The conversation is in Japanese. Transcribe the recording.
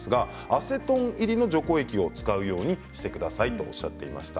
アセトン入りの除光液を使うようにしてくださいとおっしゃっていました。